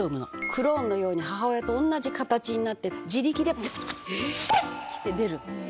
クローンのように母親と同じ形になって自力でシュッて行って出るの。